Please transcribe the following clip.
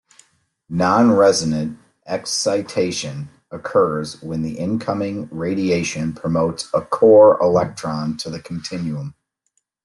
Non-resonant excitation occurs when the incoming radiation promotes a core electron to the continuum.